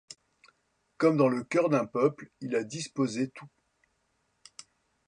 Quand dans le coeur d’un peuple il a disposé tout